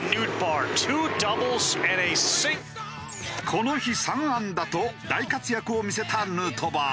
この日３安打と大活躍を見せたヌートバー。